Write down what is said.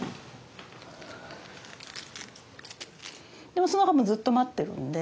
でもその間もずっと待ってるんで。